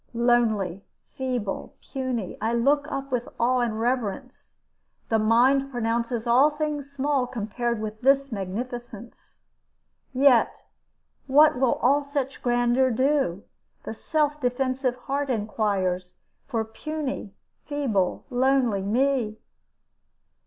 Lonely, feeble, puny, I look up with awe and reverence; the mind pronounces all things small compared with this magnificence. Yet what will all such grandeur do the self defensive heart inquires for puny, feeble, lonely me?